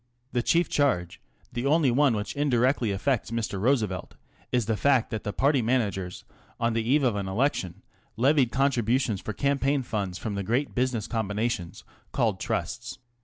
The chief charge, the only one which indirectly affects Mr. Roosevelt, is the fact that the party managers on the eve of an election levied contributions for campaign funds from the great business combinations' called Trusts.